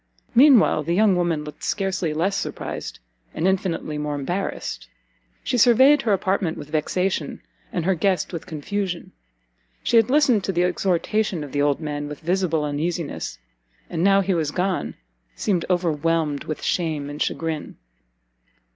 Mean while the young woman looked scarcely less surprised, and infinitely more embarrassed. She surveyed her apartment with vexation, and her guest with confusion; she had listened to the exhortation of the old man with visible uneasiness, and now he was gone, seemed overwhelmed with shame and chagrin.